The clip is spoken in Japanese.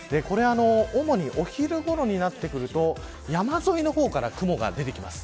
主に、お昼ごろになってくると山沿いの方から雲が出てきます。